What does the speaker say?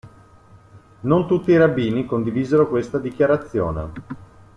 Non tutti i rabbini condivisero questa dichiarazione.